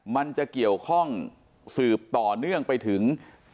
มันจะเกี่ยวข้องสืบต่อเนื่องไปถึง